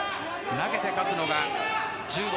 投げて勝つのが柔道。